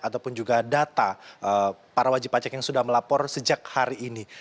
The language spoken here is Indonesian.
ataupun juga data para wajib pajak yang sudah melapor sejak hari ini